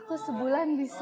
aku sebulan bisa